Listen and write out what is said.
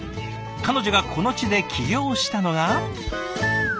彼女がこの地で起業したのが。